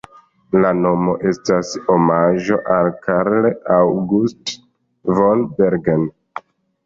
La nomo estas omaĝo al Karl August von Bergen.